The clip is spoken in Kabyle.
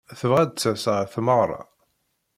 Tebɣa ad d-tas ɣer tmeɣra.